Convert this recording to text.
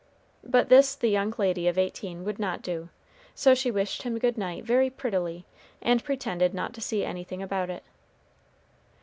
But this the young lady of eighteen would not do; so she wished him good night very prettily, and pretended not to see anything about it.